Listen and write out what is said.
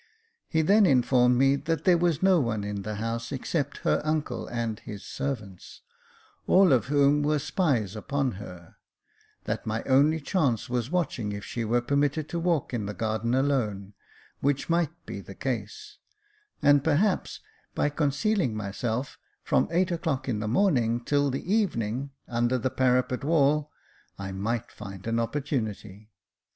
He then informed me that there was no one in the house except her uncle and his servants, all of whom were spies upon her ; that my only chance was watching if she were permitted to walk in the garden alone, which might be the case ; and perhaps, by concealing myself from eight o'clock in the morning till the evening under the parapet wall, I might find an opportunity.